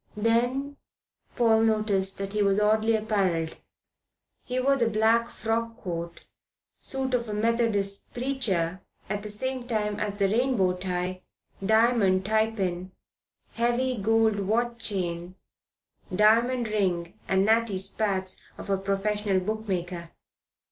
Then Paul noticed that he was oddly apparelled. He wore the black frock coat suit of a Methodist preacher at the same time as the rainbow tie, diamond tie pin, heavy gold watch chain, diamond ring and natty spats of a professional bookmaker.